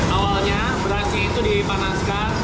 awalnya beras itu dipanaskan